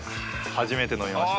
初めて飲みました。